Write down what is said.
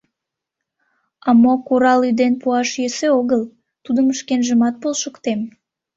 А мо курал-ӱден пуаш йӧсӧ огыл, тудым шкенжымат полшыктем.